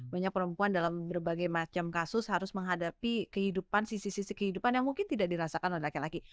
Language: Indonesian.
banyak perempuan dalam berbagai macam kasus harus menghadapi kehidupan sisi sisi kehidupan yang mungkin tidak dirasakan oleh laki laki